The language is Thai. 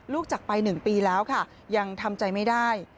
จากไป๑ปีแล้วค่ะยังทำใจไม่ได้